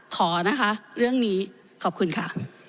ขอนะคะเรื่องนี้ขอบคุณค่ะ